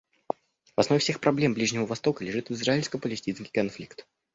В основе всех проблем Ближнего Востока лежит израильско-палестинский конфликт.